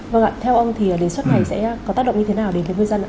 vâng ạ theo ông thì đề xuất này sẽ có tác động như thế nào đến cái ngư dân ạ